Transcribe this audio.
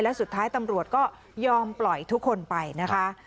และสุดท้ายตำรวจก็ยอมปล่อยทุกคนไปนะคะ